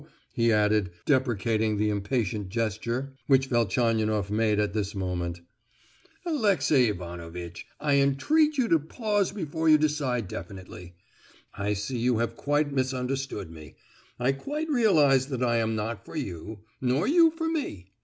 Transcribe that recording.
he added, deprecating the impatient gesture which Velchaninoff made at this moment. "Alexey Ivanovitch, I entreat you to pause before you decide definitely. I see you have quite misunderstood me. I quite realize that I am not for you, nor you for me!